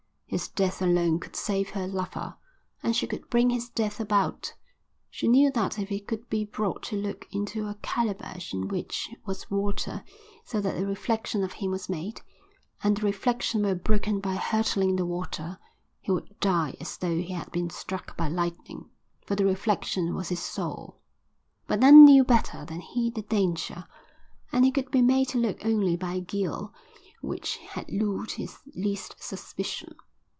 His death alone could save her lover, and she could bring his death about. She knew that if he could be brought to look into a calabash in which was water so that a reflection of him was made, and the reflection were broken by hurtling the water, he would die as though he had been struck by lightning; for the reflection was his soul. But none knew better than he the danger, and he could be made to look only by a guile which had lulled his least suspicion.